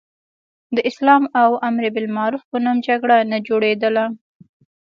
د اسلام او امر بالمعروف په نوم جګړه نه جوړېدله.